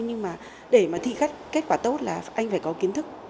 nhưng mà để mà thi khắc kết quả tốt là anh phải có kiến thức